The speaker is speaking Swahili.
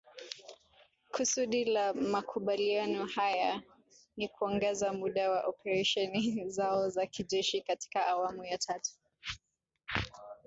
Kusudi la makubaliano haya ni kuongeza muda wa operesheni zao za kijeshi katika awamu ya tatu.